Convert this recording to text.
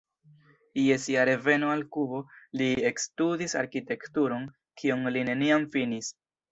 Je sia reveno al Kubo li ekstudis arkitekturon, kion li neniam finis.